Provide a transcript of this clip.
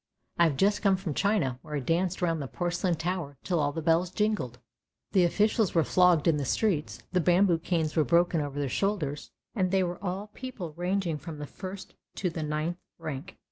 I have just come from China, where I danced round the porcelain tower till all the bells jingled. The officials were flogged in the streets, the bamboo canes were broken over their shoulders, and they were all people ranging from the first to the ninth rank.